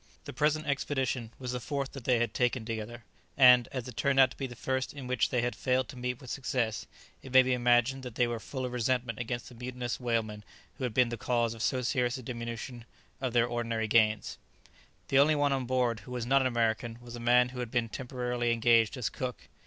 The present expedition was the fourth that they had taken together; and, as it turned out to be the first in which they had failed to meet with success, it may be imagined that they were full of resentment against the mutinous whalemen who had been the cause of so serious a diminution of their ordinary gains. [Illustration: Negoro.] The only one on board who was not an American was a man who had been temporarily engaged as cook.